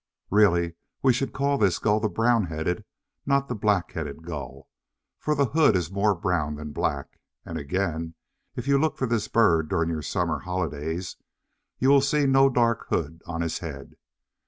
Really we should call this gull the Brown headed, not the Black headed, Gull; for the hood is more brown than black; and again, if you look for this bird during your summer holidays, you will see no dark hood on his head.